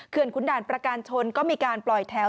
ขุนด่านประการชนก็มีการปล่อยแถว